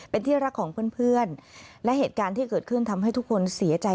เป็นที่รักของเพื่อนและเหตุการณ์ที่เกิดขึ้นทำให้ทุกคนเสียใจ